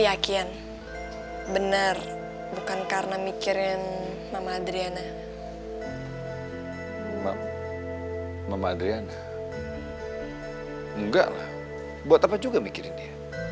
yakin bener bukan karena mikirin mama adriana mama adriana enggak buat apa juga mikirin dia